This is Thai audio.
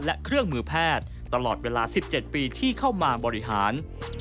และเครื่องมือแพทย์ตลอดเวลา๑๗ปีที่เข้ามาบริหาร